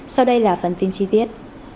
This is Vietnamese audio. sau đây là phần tin chi tiết